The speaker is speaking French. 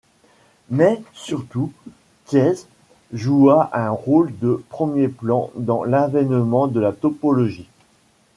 Mais surtout, Tietze joua un rôle de premier plan dans l'avènement de la topologie.